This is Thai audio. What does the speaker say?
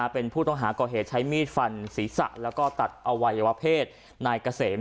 เป็นผู้ต้องหาก่อเหตุใช้มีดฟันศีรษะแล้วก็ตัดอวัยวะเพศนายเกษม